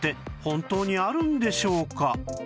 本当にあるんでしょうか？